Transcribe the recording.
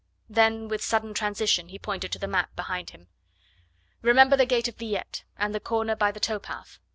Then with sudden transition he pointed to the map behind him. "Remember the gate of Villette, and the corner by the towpath.